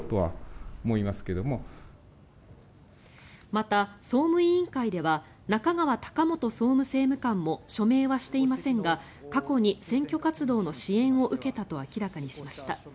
また総務委員会では中川貴元総務政務官も署名はしていませんが過去に選挙活動の支援を受けたと明らかにしました。